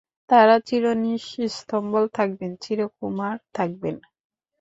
তাঁরা চিরনিঃসম্বল থাকবেন, চিরকুমার থাকবেন।